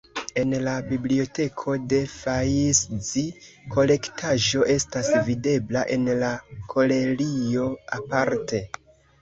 En la biblioteko la Fajszi-kolektaĵo estas videbla en la galerio aparte.